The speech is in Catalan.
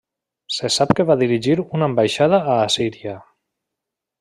Se sap que va dirigir una ambaixada a Assíria.